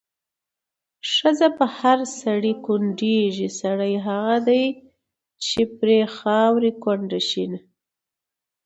ښځه په هر سړي کونډيږي، سړی هغه دی چې پرې خاوره کونډه شينه